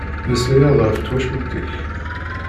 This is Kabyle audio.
Melslay-aɣ-d ɣef twacult-ik!